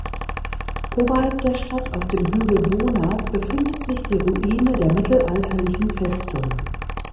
Oberhalb der Stadt auf dem Hügel Bona befindet sich die Ruine der mittelalterlichen Festung.